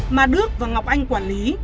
mà đức và ngọc anh quản lý